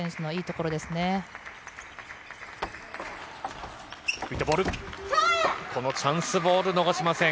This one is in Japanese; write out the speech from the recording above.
このチャンスボール逃しません。